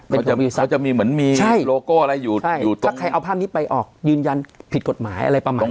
มันจะมีเขาจะมีเหมือนมีโลโก้อะไรอยู่ถ้าใครเอาภาพนี้ไปออกยืนยันผิดกฎหมายอะไรประมาณนี้